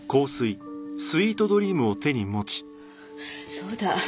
そうだ。